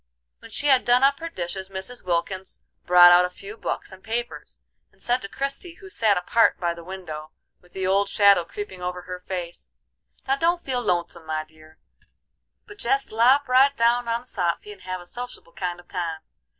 When she had done up her dishes Mrs. Wilkins brought out a few books and papers, and said to Christie, who sat apart by the window, with the old shadow creeping over her face: "Now don't feel lonesome, my dear, but jest lop right down on the soffy and have a sociable kind of a time.